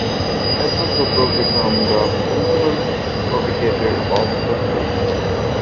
Pedro Soto, he became the principal propagator of the Faith.